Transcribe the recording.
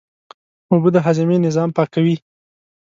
اوبه د هاضمې نظام پاکوي